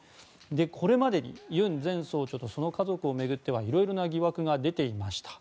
これまでにユン前総長と家族を巡ってはいろいろな疑惑が出ていました。